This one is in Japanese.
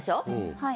はい。